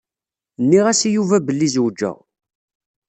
Nniɣ-as i Yuba belli zewjeɣ.